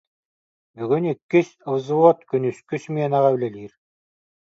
Бүгүн иккис взвод күнүскү сменаҕа үлэлиир